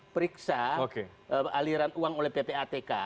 periksa aliran uang oleh ppatk